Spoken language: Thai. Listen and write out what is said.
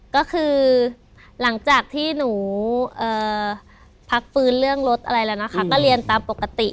ก็คือหลังจากที่หนูพักฟื้นเรื่องรถอะไรแล้วนะคะก็เรียนตามปกติ